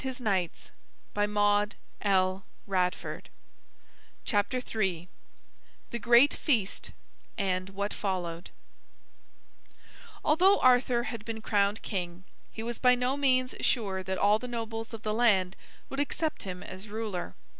[Illustration: The Shield] THE GREAT FEAST & WHAT FOLLOWED Although Arthur had been crowned king, he was by no means sure that all the nobles of the land would accept him as ruler.